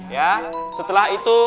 ya setelah itu